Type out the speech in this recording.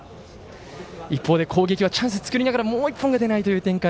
一方、攻撃はチャンス作りながらもう１本が出ないという展開。